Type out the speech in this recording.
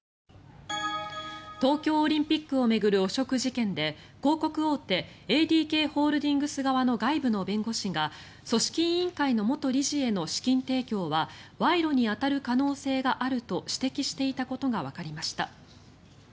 東京オリンピックを巡る汚職事件で広告大手ＡＤＫホールディングス側の外部の弁護士が組織委員会の元理事への資金提供は賄賂に当たる可能性があると指摘していたことがわかりました。